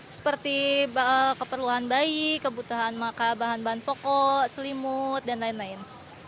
seperti keperluan bayi kebutuhan bahan bahan pokok selimut dan lain lain